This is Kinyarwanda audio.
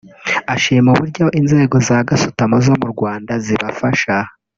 ashima uburyo inzego za gasutamo zo mu Rwanda zibafasha